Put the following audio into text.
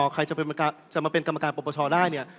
ใครจะมาเป็นกรรมการปรปชได้เนี่ย